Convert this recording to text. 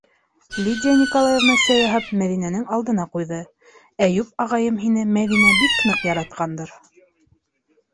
Лидия Николаевна, сәй яһап, Мәҙинәнең алдына ҡуйҙы: Әйүп ағайым һине, Мәҙинә, бик ныҡ яратҡандыр.